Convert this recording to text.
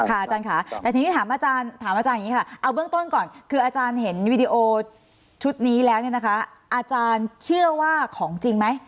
อาจารย์อันนี้เข้าใจตรงกันก็คือไม่มีการแทรกแทรงการทำงานของกรกฎตรนะคะ